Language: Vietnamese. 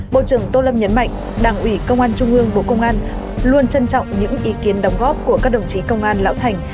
bộ trưởng tô lâm nhấn mạnh đảng ủy công an trung ương bộ công an luôn trân trọng những ý kiến đóng góp của các đồng chí công an lão thành